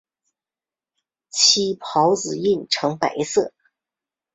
其孢子印呈白色。